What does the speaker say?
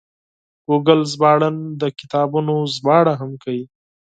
ګوګل ژباړن د کتابونو ژباړه هم کوي.